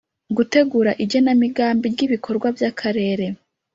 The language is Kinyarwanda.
Gutegura igenamigambi ry ibikorwa by akarere